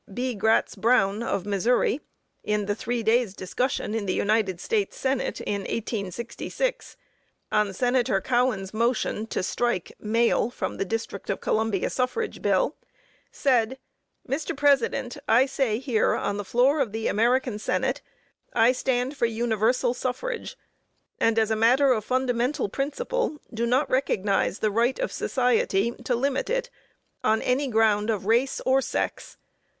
B. Gratz Brown, of Missouri, in the three days' discussion in the United States Senate in 1866, on Senator Cowan's motion to strike "male" from the District of Columbia suffrage bill, said: "Mr. President, I say here on the floor of the American Senate, I stand for universal suffrage; and as a matter of fundamental principle, do not recognize the right of society to limit it on any ground of race or sex.